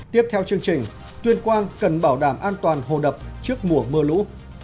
tiếp theo chương trình tuyên quang cần bảo đảm an toàn hồ đập trước mùa mưa lũ